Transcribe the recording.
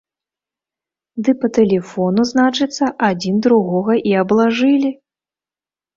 Ды па тэлефону, значыцца, адзін другога і аблажылі!